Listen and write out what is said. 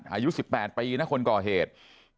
อายุ๑๘ปีนะคนก่อเหตุ